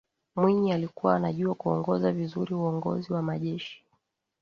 Mwinyi alikua anajua kuongoza vizuri uongozi wa majeshi